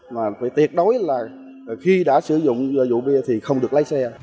mà phải tuyệt đối là khi đã sử dụng rượu bia thì không được lái xe